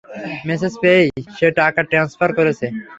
Message পেয়েই সে টাকা ট্রান্সফার করেছে।